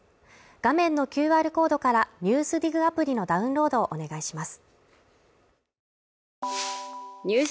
画面のＱＲコードから「ＮＥＷＳＤＩＧ」アプリのダウンロードをお願いします。